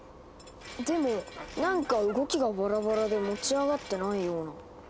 でもなんか動きがバラバラで持ち上がってないような。